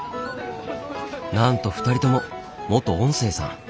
なんと２人とも元音声さん。